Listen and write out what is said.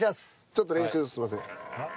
ちょっと練習すいません。